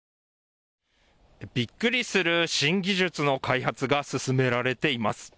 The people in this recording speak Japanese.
びっくりする新技術の開発が進められています。